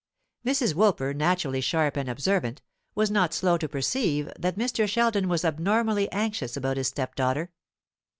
Mrs. Woolper, naturally sharp and observant, was not slow to perceive that Mr. Sheldon was abnormally anxious about his stepdaughter.